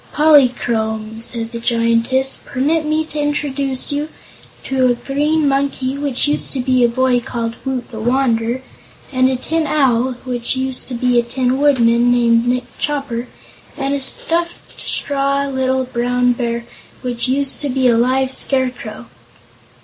"Polychrome," said the Giantess, "permit me to introduce to you a Green Monkey, which used to be a boy called Woot the Wanderer, and a Tin Owl, which used to be a Tin Woodman named Nick Chopper, and a straw stuffed little Brown Bear which used to be a live Scarecrow."